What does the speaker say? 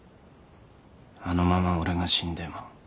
あのまま俺が死んでも。